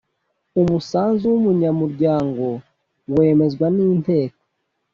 Umusanzu w umunyamuryango wemezwa ni inteko